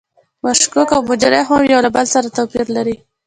مشکوک او مجرم هم یو له بل سره توپیر لري.